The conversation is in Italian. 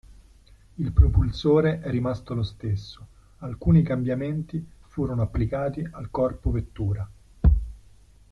Il propulsore è rimasto lo stesso, alcuni cambiamenti furono applicati al corpo vettura.